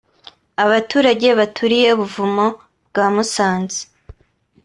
Abaturage baturiye ubuvumo bwa Musanze